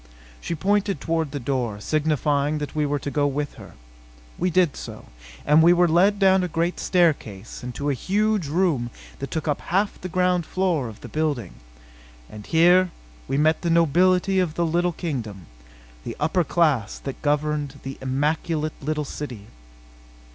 She pointed toward the door, signifying that we were to go with her. We did so; and were led down the great staircase and to a huge room that took up half the ground floor of the building. And here we met the nobility of the little kingdom the upper class that governed the immaculate little city.